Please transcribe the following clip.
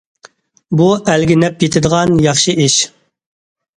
بۇ ئەلگە نەپ يېتىدىغان ياخشى ئىش.